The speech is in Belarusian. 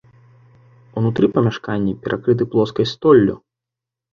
Унутры памяшканні перакрыты плоскай столлю.